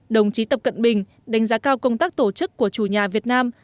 đồng chí tập cận bình đánh giá cao công tác tổ chức của chủ nhà việt nam